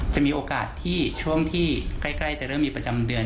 จะมีโอกาสที่ช่วงที่ใกล้จะเริ่มมีประจำเดือน